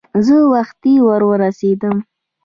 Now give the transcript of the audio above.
زه وختي ور ورسېدم.